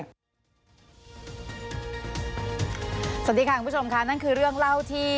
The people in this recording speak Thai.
สวัสดีค่ะคุณผู้ชมค่ะนั่นคือเรื่องเล่าที่